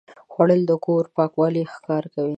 خوړل د کور پاکوالی ښکاره کوي